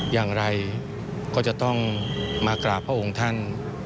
อย่างไรก็จะต้องมากราบพระองค์ท่าน